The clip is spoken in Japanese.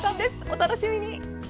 お楽しみに。